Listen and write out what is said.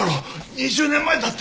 ２０年前だって！